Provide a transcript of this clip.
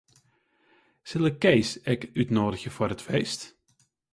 Sil ik Kees ek útnûgje foar it feest?